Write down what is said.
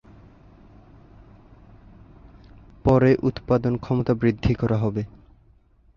পরে উৎপাদন ক্ষমতা বৃদ্ধি করা হবে।